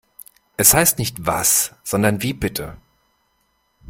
Es heißt nicht “Was“ sondern “Wie bitte“